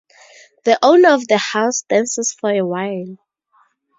The owner of the house dances for a while.